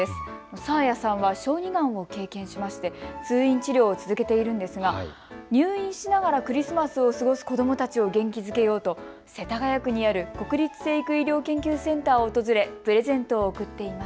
紗彩さんは小児がんを経験しまして通院治療を続けているんですが入院しながらクリスマスを過ごす子どもたちを元気づけようと世田谷区にある国立成育医療研究センターを訪れ、プレゼントを贈っています。